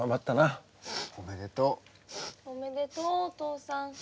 おめでとうお父さん。